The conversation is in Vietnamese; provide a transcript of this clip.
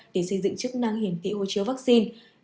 để xây dựng chức năng hiển tị hộ chiếu vaccine